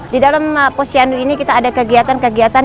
di dalam posyandu ini kita ada kegiatan kegiatan